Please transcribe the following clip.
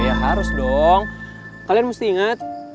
ya harus dong kalian mesti ingat